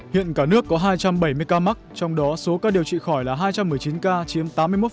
hiện cả nước có hai trăm bảy mươi ca mắc trong đó số ca điều trị khỏi là hai trăm một mươi chín ca chiếm tám mươi một